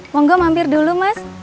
mau gak mampir dulu mas